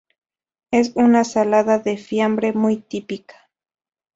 Es una salada de fiambre muy típica.